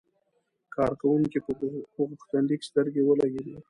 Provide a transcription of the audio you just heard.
کارکونکي په غوښتنلیک سترګې ولګېدې.